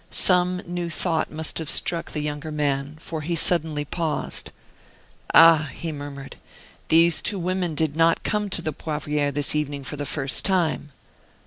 Some new thought must have struck the younger man, for he suddenly paused. "Ah!" he murmured, "these two women did not come to the Poivriere this evening for the first time."